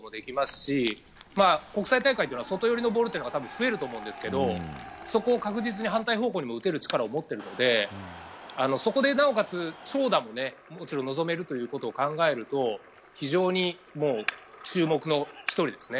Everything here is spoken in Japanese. し国際大会というのは外寄りのボールが増えると思うんですけどそこを確実に反対方向にも打てる力を持っていてそこでなおかつ長打ももちろん望めるということを考えると非常に注目の１人ですね。